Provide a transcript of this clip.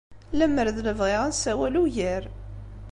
Lemmer d lebɣi, ad nessawal ugar.